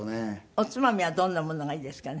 おつまみはどんなものがいいですかね。